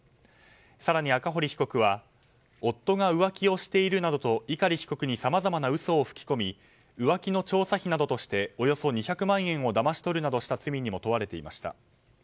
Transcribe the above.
更に赤堀被告は夫が浮気をしているなどと碇被告にさまざまな嘘を吹き込み浮気の調査費などとしておよそ２００万円をだまし取るなどした罪にも問われていました。